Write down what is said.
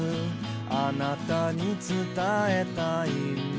「あなたに伝えたいんだ」